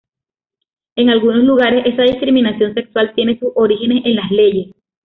En algunos lugares, esa discriminación sexual tiene sus orígenes en las leyes.